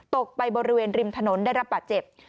ตกไปบริเวณริมถนนได้รับบาดเจ็บ